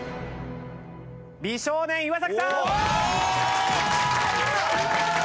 美少年岩さん！